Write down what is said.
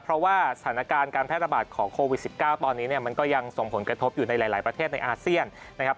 เพราะว่าสถานการณ์การแพร่ระบาดของโควิด๑๙ตอนนี้เนี่ยมันก็ยังส่งผลกระทบอยู่ในหลายประเทศในอาเซียนนะครับ